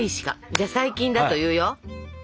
じゃあ最近だと言うよ「人魚」。